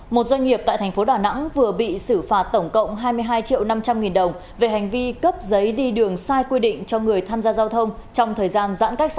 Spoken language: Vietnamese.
một doanh nghiệp tại thành phố đà nẵng vừa bị xử phạt tổng cộng hai mươi hai triệu năm trăm linh nghìn đồng về hành vi cấp giấy đi đường sai quy định cho người tham gia giao thông trong thời gian giãn cách xã hội